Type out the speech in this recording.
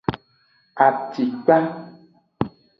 Acikpa.